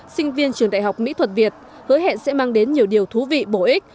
sinh viên trường đại học mỹ thuật việt hứa hẹn sẽ mang đến nhiều điều thú vị bổ ích